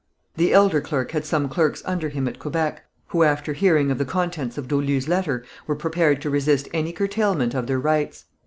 The elder clerk had some clerks under him at Quebec, who after hearing of the contents of Dolu's letter, were prepared to resist any curtailment of their rights.